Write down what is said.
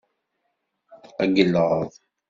Tqeyyleḍ.